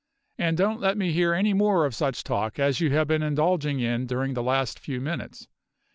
And don't let me hear any more of such talk as you have been indulging in during the last few minutes.